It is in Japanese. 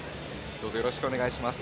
よろしくお願いします。